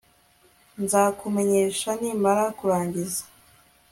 Nzakumenyesha nimara kurangiza